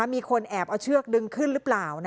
มีคนแอบเอาเชือกดึงขึ้นหรือเปล่า